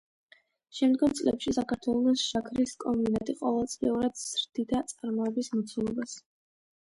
შემდგომ წლებში საქართველოს შაქრის კომბინატი ყოველწლიურად ზრდიდა წარმოების მოცულობას.